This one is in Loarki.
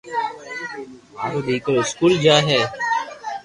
مارو دآڪرو اسڪول جائي ھي